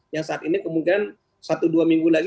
yang saat ini kemungkinan satu dua minggu lagi